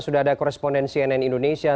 sudah ada koresponden cnn indonesia